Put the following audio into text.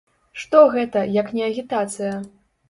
Што гэта, як не агітацыя?